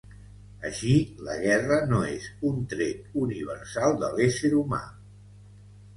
Així, la guerra no és un tret universal de l'ésser humà.